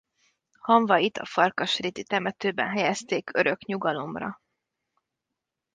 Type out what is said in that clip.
Hamvait a Farkasréti temetőben helyezték örök nyugalomra.